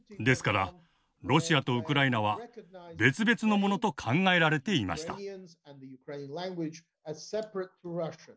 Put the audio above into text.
ですからロシアとウクライナは別々のものと考えられていました。